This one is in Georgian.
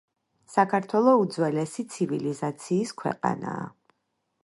საქართველო უძველესი ცივილიზაციის ქვეყანაა